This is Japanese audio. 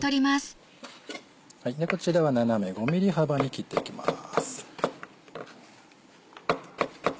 こちらは斜め５ｍｍ幅に切っていきます。